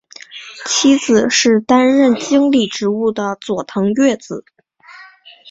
妻子是担任经理职务的佐藤悦子。